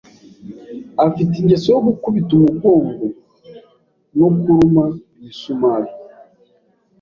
Afite ingeso yo gukubita umugongo no kuruma imisumari.